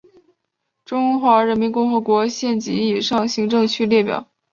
中华人民共和国县级以上行政区列表